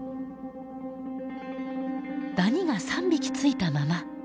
ダニが３匹ついたまま。